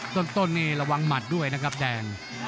ต้นนี่ระวังหมัดด้วยนะครับแดง